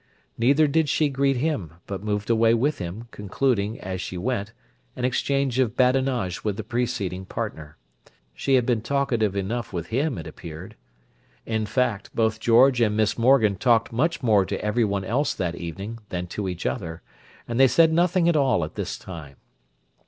Neither did she greet him, but moved away with him, concluding, as she went, an exchange of badinage with the preceding partner: she had been talkative enough with him, it appeared. In fact, both George and Miss Morgan talked much more to every one else that evening, than to each other; and they said nothing at all at this time.